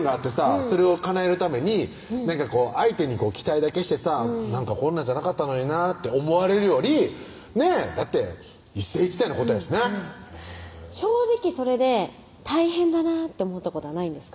それをかなえるために相手に期待だけしてさこんなんじゃなかったのになって思われるよりねぇだって一世一代のことやしな正直それで大変だなって思ったことはないんですか？